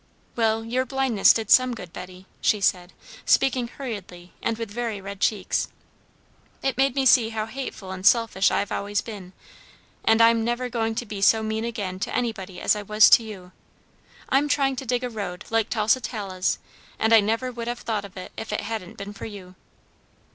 "Well, your blindness did some good, Betty," she said, speaking hurriedly and with very red cheeks. "It made me see how hateful and selfish I've always been, and I'm never going to be so mean again to anybody as I was to you. I'm trying to dig a road like Tusitala's and I never would have thought of it, if it hadn't been for you."